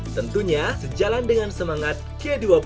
tentunya sejalan dengan semangat g dua puluh